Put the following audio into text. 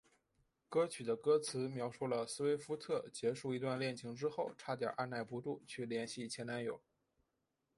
歌曲的歌词描述了斯威夫特结束一段恋情之后差点按捺不住去联系前男友。